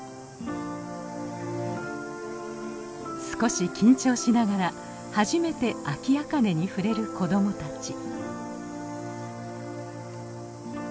少し緊張しながら初めてアキアカネに触れる子供たち。